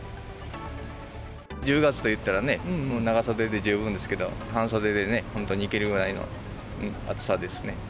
１０月といったらね、長袖で十分ですけれども、半袖で本当にいけるぐらいの暑さですね。